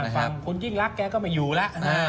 ฟังคุณจริงรักแกก็ไม่อยู่ล่ะ